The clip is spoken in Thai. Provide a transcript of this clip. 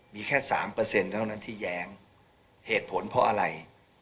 มีแค่๓เท่านั้นที่แย้งเหตุผลเพราะอะไร